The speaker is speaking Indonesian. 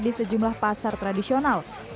di sejumlah pasar tradisional